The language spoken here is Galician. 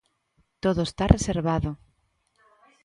Todo está reservado.